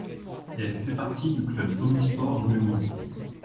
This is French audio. Elle fait partie du club omnisports du même nom.